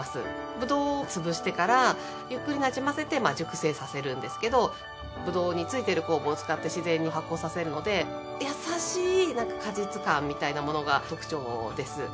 ブドウを潰してからゆっくり馴染ませて熟成させるんですけどブドウについてる酵母を使ってしぜんに発酵させるので優しい果実感みたいなものが特徴です。